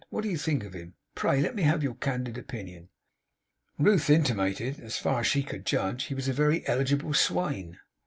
What do you think of him? Pray, let me have your candid opinion.' Ruth intimated that, as far as she could judge, he was a very eligible swain.